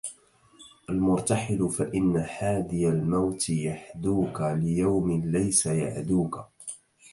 الْمُرْتَحِلِ فَإِنَّ حَادِيَ الْمَوْتِ يَحْدُوك ، لِيَوْمٍ لَيْسَ يَعْدُوك